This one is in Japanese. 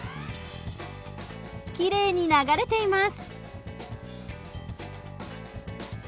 きれいに流れています。